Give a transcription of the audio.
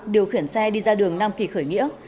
điều khiển xe đi ra đường nam kỳ khởi nghĩa